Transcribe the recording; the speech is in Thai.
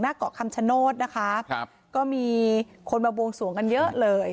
หน้าเกาะคำชโน้นนะคะก็มีคนมาบวงสวงกันเยอะเลย